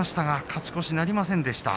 勝ち越しはなりませんでした。